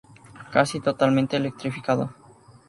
Casi totalmente electrificado.